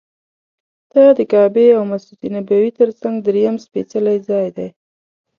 دا د کعبې او مسجد نبوي تر څنګ درېیم سپېڅلی ځای دی.